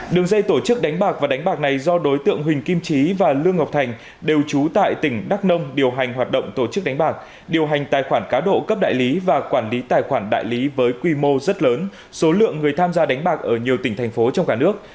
đường dây tổ chức đánh bạc và đánh bạc này do đối tượng huỳnh kim trí và lương ngọc thành đều trú tại tỉnh đắk nông điều hành hoạt động tổ chức đánh bạc điều hành tài khoản cá độ cấp đại lý và quản lý tài khoản đại lý với quy mô rất lớn số lượng người tham gia đánh bạc ở nhiều tỉnh thành phố trong cả nước